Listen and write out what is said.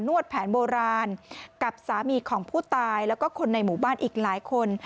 วดแผนโบราณกับสามีของผู้ตายแล้วก็คนในหมู่บ้านอีกหลายคน